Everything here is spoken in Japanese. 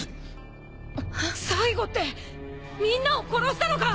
最後ってみんなを殺したのか！？